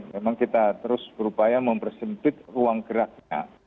memang kita terus berupaya mempersempit ruang geraknya